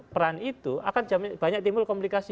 peran itu akan banyak timbul komplikasi